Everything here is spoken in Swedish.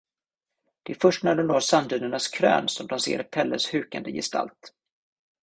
Det är först när de når sanddynernas krön som de ser Pelles hukande gestalt.